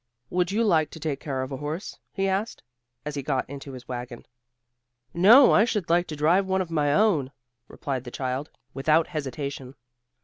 "Would you like to take care of a horse?" he asked, as he got into his wagon. "No, I should like to drive one of my own," replied the child without hesitation.